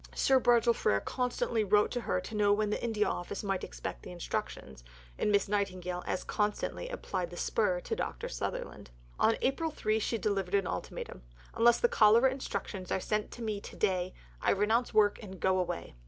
Sir Bartle Frere constantly wrote to her to know when the India Office might expect the Instructions, and Miss Nightingale as constantly applied the spur to Dr. Sutherland. On April 3 she delivered an ultimatum: "Unless the Cholera Instructions are sent to me to day, I renounce work and go away."